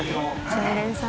常連さん？